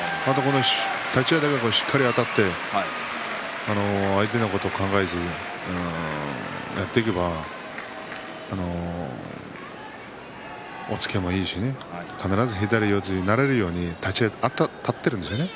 立ち合いしっかりあたって相手のことを考えずやっていけば押っつけもいいしね必ず左四つになれるように立ち合いあたって立っているんですよね。